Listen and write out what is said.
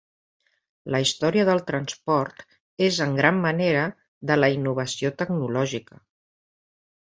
La història del transport és en gran manera de la innovació tecnològica.